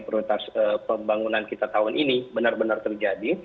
prioritas pembangunan kita tahun ini benar benar terjadi